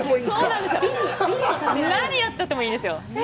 何やってもいいんですよ。